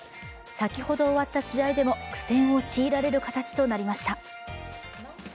先ほど終わった試合でも苦戦を強いられる形となりました。